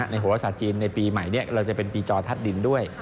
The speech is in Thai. โหรศาสตร์จีนในปีใหม่นี้เราจะเป็นปีจอทัศน์ดินด้วย